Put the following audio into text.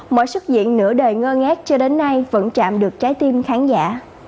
mỗi xuất diễn nửa đời ngơ ngát cho đến nay vẫn chạm được trái tim khán giả